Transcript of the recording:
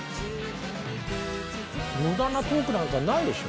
無駄なトークなんかないでしょ。